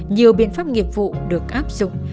nhiều biện pháp nghiệp vụ được áp dụng